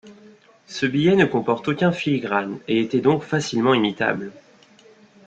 Ce billet ne comporte aucun filigrane et était donc facilement imitable.